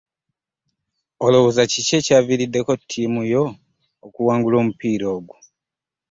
Olowooza kiki ekyaviiriddeko tiimu yo okuwangula omupiira ogwo.